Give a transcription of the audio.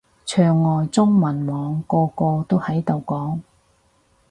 牆外中文網個個都喺度講